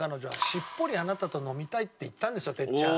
「しっぽりあなたと飲みたい」って言ったんですよ哲ちゃん。